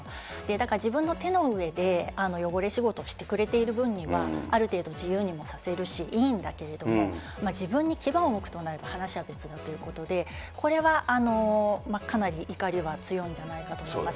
だから自分の手の上で汚れ仕事をしてくれている分には、ある程度自由にもさせるし、いいんだけれども、自分に牙をむくと話は別だということで、これはかなり怒りは強いんじゃないかと思います。